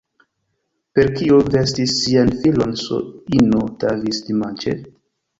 Per kio vestis sian filon S-ino Davis, dimanĉe?